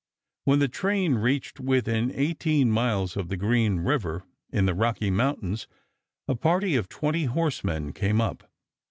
When the train reached within eighteen miles of the Green River, in the Rocky Mountains, a party of twenty horsemen came up.